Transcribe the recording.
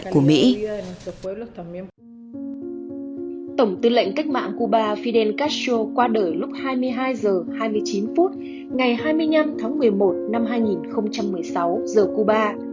qua đời lúc hai mươi hai h hai mươi chín phút ngày hai mươi năm tháng một mươi một năm hai nghìn một mươi sáu giờ cuba